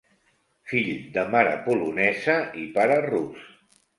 Fill de mare polonesa i pare rus.